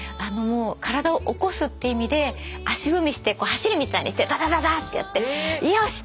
体を起こすっていう意味で足踏みしてこう走るみたいにしてダダダダッてやって「よしっ！」って言って。